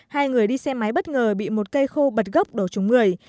hai người đi xe máy bất ngờ bị một cây khô bật gốc đổ trúng người